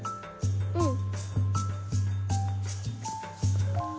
うん。